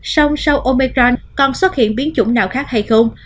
xong sau omicron còn xuất hiện biến chủng nào khác hay không